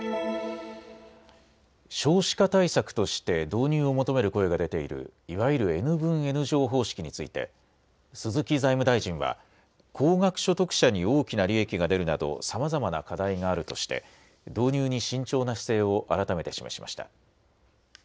少子化対策として導入を求める声が出ているいわゆるＮ分Ｎ乗方式について鈴木財務大臣は高額所得者に大きな利益が出るなどさまざまな課題があるとして導入に慎重な姿勢を改めて示しました。